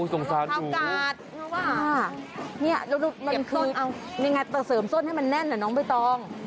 รองเท้ากัดนี่มันคือเสริมส้นให้มันแน่นน้องไม่ต้อง